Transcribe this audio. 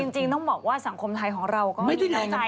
จริงต้องบอกว่าสังคมไทยของเราก็อยู่ในไทยแม่ครับแม่